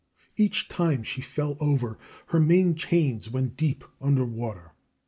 Each time she fell over her main chains went deep under water.